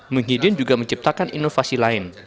muhyiddin juga menciptakan inovasi lain